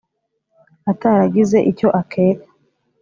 «ataragize icyo akeka»